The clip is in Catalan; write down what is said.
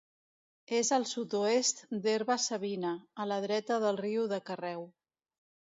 És al sud-oest d'Herba-savina, a la dreta del riu de Carreu.